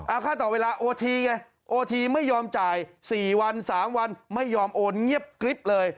ค่าต่อเวลาโอทีไงโอทีไม่ยอมจ่าย๔วัน๓วันไม่ยอมโอนเงียบกริ๊บเลย